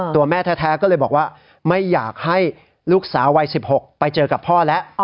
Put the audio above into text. ตัวแม่แท้ก็เลยบอกว่าไม่อยากให้ลูกสาววัย๑๖ไปเจอกับพ่อแล้ว